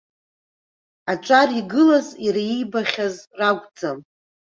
Аҿар игылаз иара иибахьаз ракәӡам.